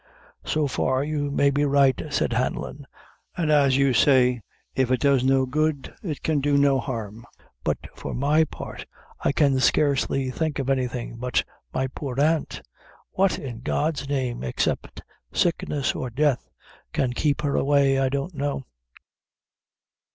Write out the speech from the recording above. "So far you may be right," said Hanlon, "an' as you say, if it does no good it can do no harm; but for my part, I can scarcely think of anything but my poor aunt. What, in God's name, except sickness or death, can keep her away, I don't know."